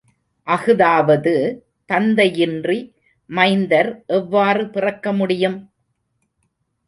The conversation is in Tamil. அஃதாவது தந்தையின்றி மைந்தர் எவ்வாறு பிறக்க முடியும்?